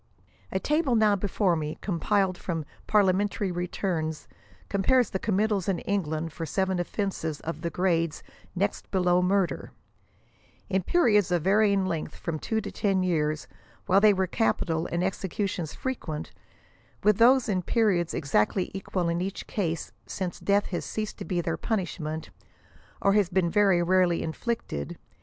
|| A ta ble now before me, compiled from Parliamentary returns, com *Select. Lond. Mora. Her. ii, 358. tib. 220. Jib. 109. ||Ib. Introd. 11. 84 pares the committals in England for seven oflenses of the grades next below murder, in periods of varying length from two to ten years, while they were capital and executions frequent, with those in periods exactly equal in each case since death has ceased to be their punishment, or has been very rarely inflicted.